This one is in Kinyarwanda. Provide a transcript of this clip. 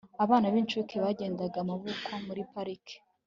abana b'incuke bagendanaga amaboko muri parike